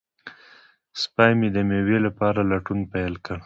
سپی مې د مېوې لپاره لټون پیل کړ.